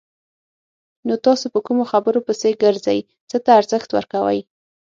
نو تاسو په کومو خبرو پسې ګرځئ! څه ته ارزښت ورکوئ؟